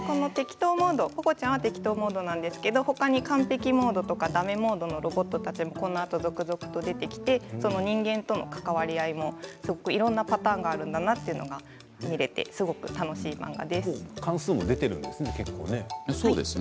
ポコちゃんはてきとうモードなんですけどほかにかんぺきモードとかダメモードのロボットとか続々出てきて人間とのかかわりあいもいろんなパターンがあるんだなということを決められてすごく楽しい漫画です。